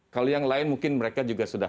kalau yang lain mungkin mereka juga sudah